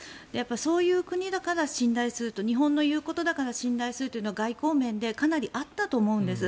そういう国だから信頼すると日本の言うことだから信頼するというのは外交面でかなりあったと思うんです。